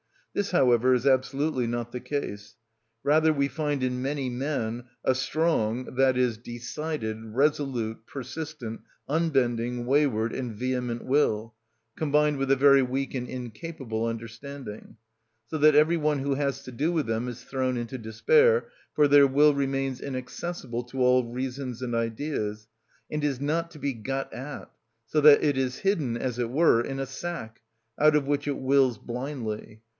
This, however, is absolutely not the case; rather, we find in many men a strong, i.e., decided, resolute, persistent, unbending, wayward, and vehement will, combined with a very weak and incapable understanding, so that every one who has to do with them is thrown into despair, for their will remains inaccessible to all reasons and ideas, and is not to be got at, so that it is hidden, as it were, in a sack, out of which it wills blindly.